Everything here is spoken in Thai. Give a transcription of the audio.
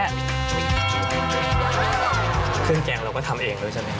เครื่องแกงเราก็ทำเองด้วยใช่ไหม